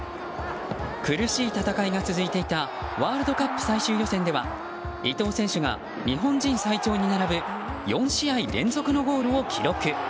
苦しい戦いが続いていたワールドカップ最終予選では伊東選手が日本人最長に並ぶ４試合連続のゴールを記録。